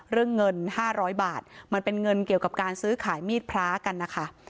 เรื่องเงิน๕๐๐บาทมันเป็นเงินเกี่ยวกับการซื้อขายมีดพระกันนะคะ